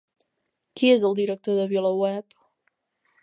Qui és el director de VilaWeb?